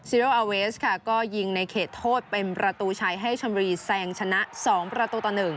โออาเวสค่ะก็ยิงในเขตโทษเป็นประตูชัยให้ชมบุรีแซงชนะ๒ประตูต่อ๑